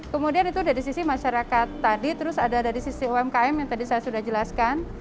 kemudian itu dari sisi masyarakat tadi terus ada dari sisi umkm yang tadi saya sudah jelaskan